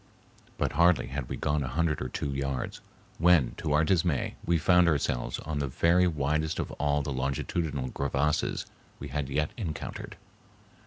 But hardly had we gone a hundred or two yards when to our dismay we found ourselves on the very widest of all the longitudinal crevasses we had yet encountered.